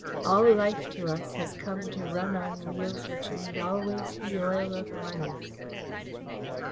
All life to us has come to run on wheels which need always the oil of money."